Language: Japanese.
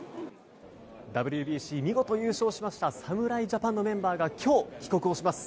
ＷＢＣ、見事優勝しました侍ジャパンのメンバーが今日、帰国をします。